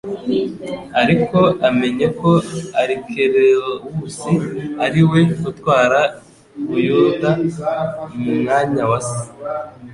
ariko amenye ko Alikelawusi ari we utwara i Buyuda mu mwanya wa se,